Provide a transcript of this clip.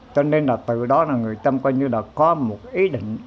cho nên là từ đó là người tâm coi như là có một ý định